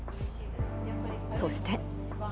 そして。